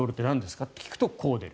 って聞くとこう出る。